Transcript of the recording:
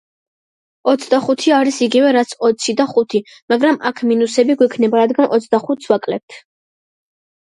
ოცდახუთი არის იგივე რაც ოცი და ხუთი, მაგრამ აქ მინუსები გვექნება რადგან ოცდახუთს ვაკლებთ.